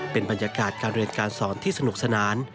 เป็นบรรยากาศการเรียนการสอนที่สนุกสนาน